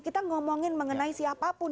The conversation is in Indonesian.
kita ngomongin mengenai siapapun